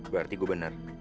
berarti gue benar